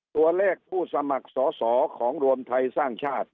ตัวเลขผู้สมัครสอสอของรวมไทยสร้างชาติ